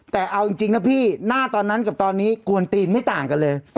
แต่เอาจริงนะพี่หน้าตอนนั้นกับตอนนี้กวนตีนไม่ต่างกันเลย